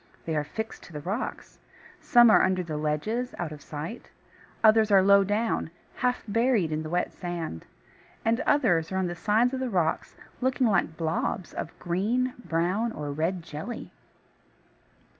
They are fixed to the rocks. Some are under the ledges, out of sight, others are low down, half buried in the wet sand; and others are on the sides of the rocks, looking like blobs of green, brown, or red jelly.